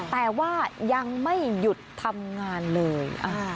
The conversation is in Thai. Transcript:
แต่ว่ายังไม่หยุดทำงานเลย